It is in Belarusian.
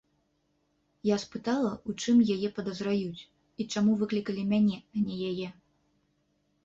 Я спытала, у чым яе падазраюць і чаму выклікалі мяне, а не яе.